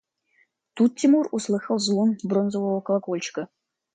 Тут Тимур услыхал звон бронзового колокольчика.